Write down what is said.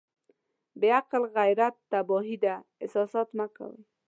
بې عقل غيرت تباهي ده احساسات مه کوئ.